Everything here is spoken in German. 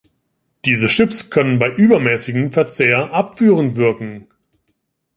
Diese Chips können bei übermäßigem Verzehr abführend wirken.